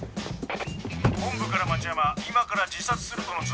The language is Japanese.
本部から町山今から自殺するとの通報。